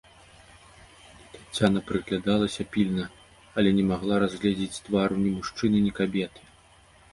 Таццяна прыглядалася пільна, але не магла разгледзець твару ні мужчыны, ні кабеты.